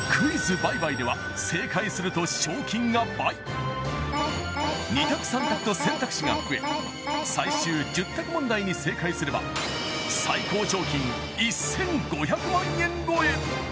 倍買」では２択３択と選択肢が増え最終１０択問題に正解すれば最高賞金１５００万円超え